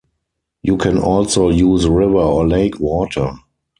You can also use river or lake water.